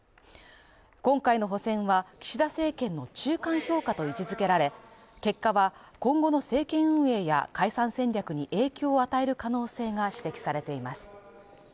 今回の補選は、岸田政権の中間評価と位置付けられ、結果は今後の政権運営や解散戦略に影響を与える可能性が指摘されています。